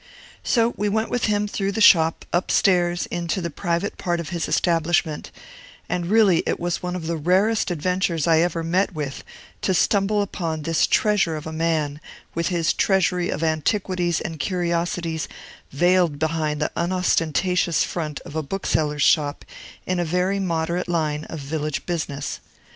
So we went with him through the shop, up stairs, into the private part of his establishment; and, really, it was one of the rarest adventures I ever met with, to stumble upon this treasure of a man, with his treasury of antiquities and curiosities, veiled behind the unostentatious front of a bookseller's shop, in a very moderate line of village business.